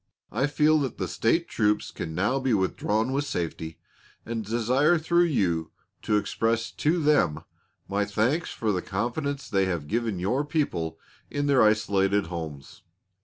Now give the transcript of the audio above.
I feel that the State troops can now be withdrawn with safety, and desire through you to express to them my thanks for the confidence they have given your people in their isolated homes.